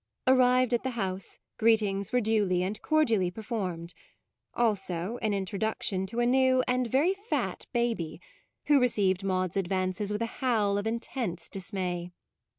Arrived at the house, greetings were duly and cordially performed; also an introduction to a new and i8 MAUDE very fat baby, who received Maude's advances with a howl of intense dis may.